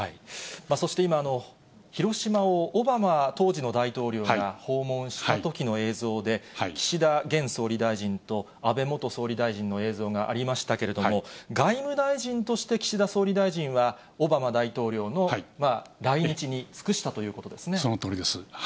そして今、広島をオバマ当時の大統領が訪問したときの映像で、岸田現総理大臣と安倍元総理大臣の映像がありましたけれども、外務大臣として岸田総理大臣はオバマ大統領の来日に尽くしたといそのとおりです。